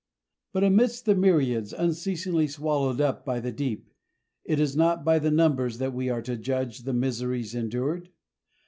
But amidst the myriads unceasingly swallowed up by the deep, it is not by the numbers that we are to judge of the miseries endured.